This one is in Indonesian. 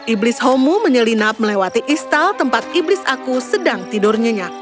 iblis homo menyelinap melewati istal tempat iblis aku sedang tidur nyenyak